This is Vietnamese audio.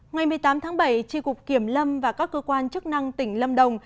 ngày một mươi tám tháng bảy tri cục kiểm lâm và các cơ quan chức năng tỉnh lâm đồng